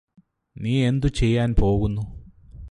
നീയെന്തു ചെയ്യാന് പോകുന്നു